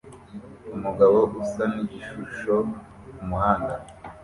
Umugabo usa nigishusho kumuhanda